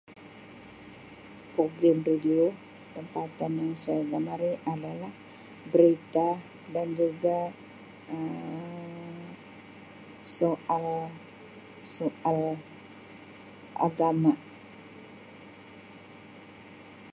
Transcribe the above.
Program radio tempatan yang saya gemari adalah berita dan juga Um soal-soal agama.